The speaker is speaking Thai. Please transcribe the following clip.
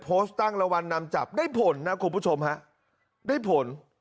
โพสต์ตั้งรางวัลนำจับได้ผลนะคุณผู้ชมฮะได้ผล